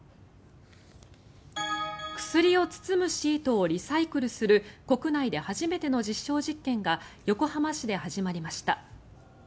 薬を包むシートをリサイクルする国内で初めての実証実験が横浜市で始まりました。